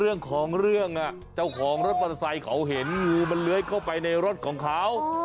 เรื่องของเรื่องเจ้าของรถมอเตอร์ไซค์เขาเห็นงูมันเลื้อยเข้าไปในรถของเขา